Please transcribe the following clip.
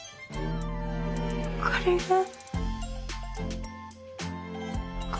これが恋？